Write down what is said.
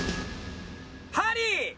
ハリー！